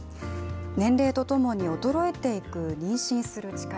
年齢とともに衰えていく妊娠する力。